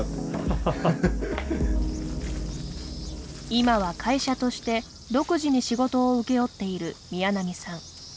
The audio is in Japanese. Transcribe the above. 今は会社として、独自に仕事を請け負っている宮南さん。